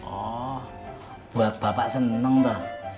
oh buat bapak seneng tuh